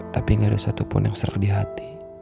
tapi ga ada satupun yang sering dihadapi